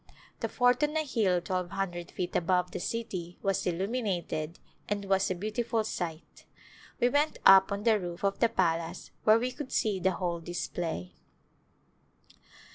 The fort on a hill twelve hundred feet above the city was illuminated and was a beautiful sight. We went up on the roof of the palace where we could see the whole display.